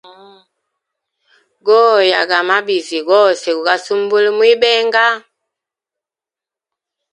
Goya ga mabizi gose gu sumbule mu ibenga.